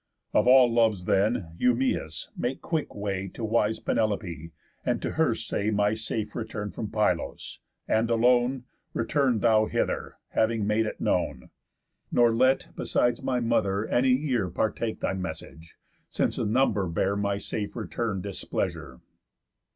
Of all loves then, Eumæus, make quick way To wise Penelopé, and to her say My safe return from Pylos, and alone, Return thou hither, having made it known. Nor let, besides my mother, any ear Partake thy message, since a number bear My safe return displeasure."